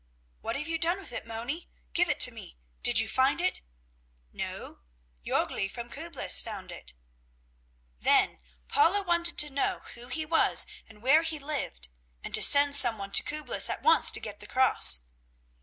"What have you done with it, Moni? Give it to me. Did you find it?" "No, Jörgli from Küblis found it." Then Paula wanted to know who he was and where he lived, and to send some one to Küblis at once to get the cross.